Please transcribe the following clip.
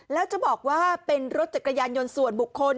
แล้วจะบอกว่าเป็นรถจักรยานยนต์ส่วนบุคคล